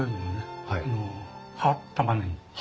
葉たまねぎ。